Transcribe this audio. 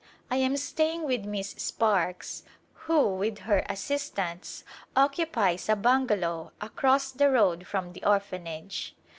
I am staying with Miss Sparkes who, with her assistants, occupies a bungalow across the road from the Orphanage.